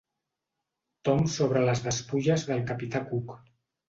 Tom sobre les despulles del capità Cook.